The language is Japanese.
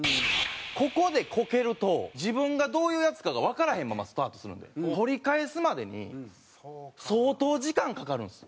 ここでこけると自分がどういうヤツかがわからへんままスタートするんで取り返すまでに相当時間かかるんです。